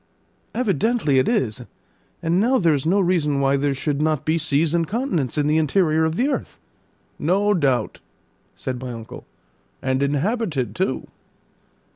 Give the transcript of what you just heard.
"Evidently it is; and now there is no reason why there should not be seas and continents in the interior of the earth." "No doubt," said my uncle; "and inhabited too."